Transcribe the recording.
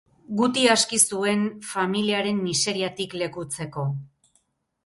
Guti aski zuen familiaren miseriatik lekutzeko.